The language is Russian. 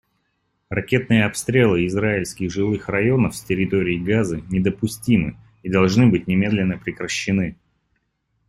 Ракетные обстрелы израильских жилых районов с территории Газы недопустимы и должны быть немедленно прекращены.